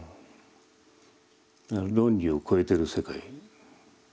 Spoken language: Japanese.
だから論理を超えてる世界。